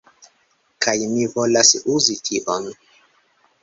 Kaj mi volas uzi tion